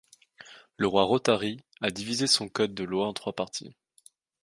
Le roi Rothari a divisé son code de lois en trois parties.